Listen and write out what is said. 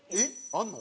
あんの？